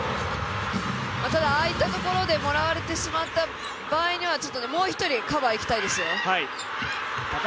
ただ、ああいったところでもらわれてしまった場合にはちょっともう一人カバー行きたいですよ。